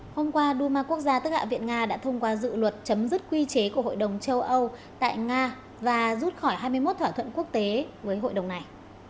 hôm qua duma quốc gia tức hạ viện nga đã thông qua dự luật chấm dứt quy chế của hội đồng châu âu tại nga và rút khỏi hai mươi một thỏa thuận quốc tế với hội đồng này